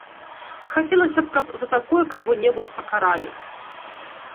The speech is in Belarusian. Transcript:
Хацелася б, каб за такое каго-небудзь пакаралі.